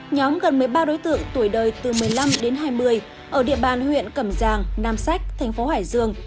nhóm gần một mươi ba đối tượng tuổi đời từ một mươi năm đến hai mươi ở địa bàn huyện cẩm giang nam sách thành phố hải dương